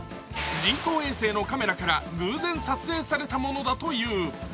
人工衛星のカメラから偶然撮影されたものだという。